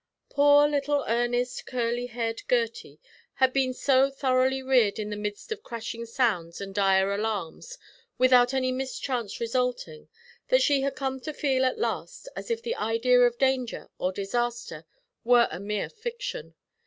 Poor little earnest curly haired Gertie had been so thoroughly reared in the midst of crashing sounds and dire alarms without any mischance resulting, that she had come to feel at last as if the idea of danger or disaster were a mere fiction.